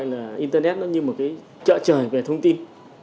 nó gọi là internet nó như một cái chợ trời về thông tin